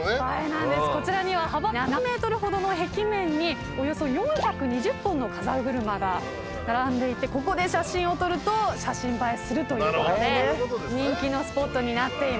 こちらには幅７ｍほどの壁面におよそ４２０本のかざぐるまが並んでいてここで写真を撮ると写真映えするということで人気のスポットになっています。